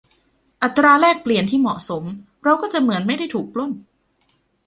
อัตราแลกเปลี่ยนที่เหมาะสมเราก็จะเหมือนไม่ได้ถูกปล้น